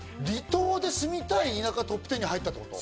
離島で住みたい田舎トップ１０に入った？